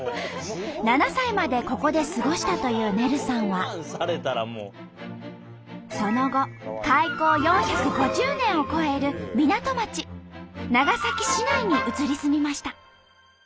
７歳までここで過ごしたというねるさんはその後開港４５０年を超える港町長崎市内に移り住みました。